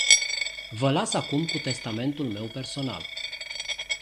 Vă las acum cu testamentul meu personal.